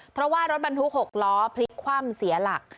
เพราะว่ารถบรรทุก๖ล้อพลิกคว่ำเสียหลัก